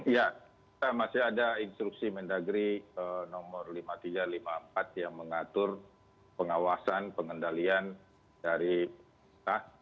ya kita masih ada instruksi mendagri nomor lima ribu tiga ratus lima puluh empat yang mengatur pengawasan pengendalian dari pemerintah